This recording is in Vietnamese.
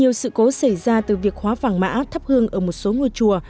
nhiều sự cố xảy ra từ việc hóa vàng mã thắp hương ở một số ngôi chùa